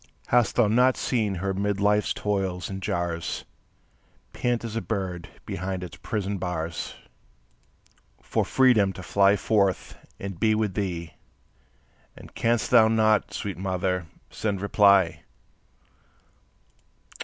Hast thou not seen her 'mid life's toils and jars, Pant as a bird behind its prison bars, For freedom to fly forth and be with thee? And canst thou not, sweet mother, send reply?